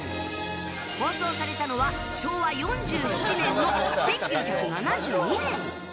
放送されたのは昭和４７年の、１９７２年。